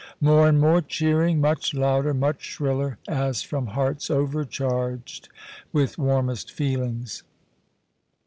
More and more cheering, much louder, much shriller, as from hearts overcharged with warmest feelings.